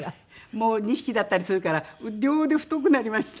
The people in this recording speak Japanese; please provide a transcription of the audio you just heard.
もう２匹だったりするから両腕太くなりました。